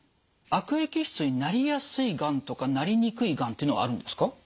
悪液質になりやすいがんとかなりにくいがんっていうのはあるんですか？